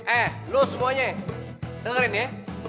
eh lu semuanya dengerin ya